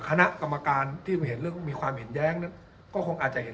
คณะกรรมการที่เห็นเรื่องมีความเห็นแย้งนั้นก็คงอาจจะเห็น